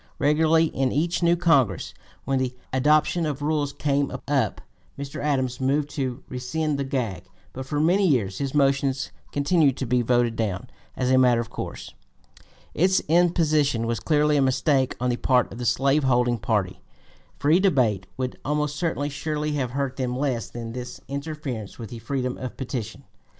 Regularly in each new Congress when the adoption of rules came up, Mr. Adams moved to rescind the "gag;" but for many years his motions continued to be voted down, as a (p. 251) matter of course. Its imposition was clearly a mistake on the part of the slave holding party; free debate would almost surely have hurt them less than this interference with the freedom of petition.